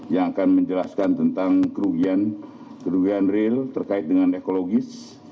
yang akan menjelaskan tentang kerugian real terkait dengan ekologis